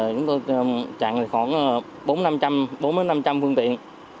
chúng tôi chặn khoảng bốn năm trăm linh phương tiện